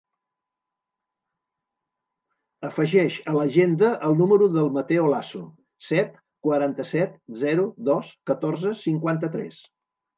Afegeix a l'agenda el número del Matteo Laso: set, quaranta-set, zero, dos, catorze, cinquanta-tres.